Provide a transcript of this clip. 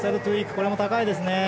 これも高いですね。